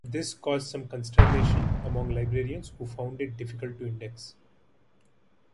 This caused some consternation among librarians, who found it difficult to index.